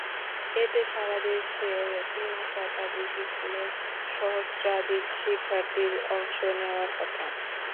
এতে সারা দেশের তিন শতাধিক স্কুলের সহস্রাধিক শিক্ষার্থীর অংশ নেওয়ার কথা।